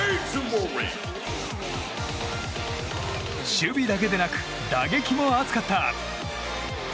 守備だけでなく打撃も熱かった。